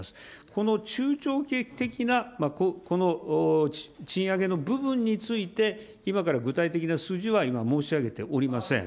この中長期的な賃上げの部分について、今から具体的な数字は今、申し上げておりません。